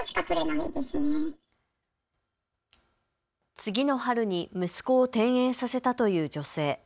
次の春に息子を転園させたという女性。